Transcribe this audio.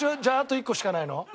じゃああと１個しかないの？